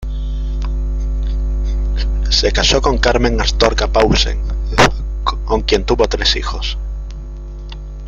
Se casó con Carmen Astorga Paulsen, con quien tuvo tres hijos.